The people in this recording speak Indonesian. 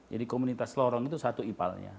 jadi komunitas lorong itu satu ipalnya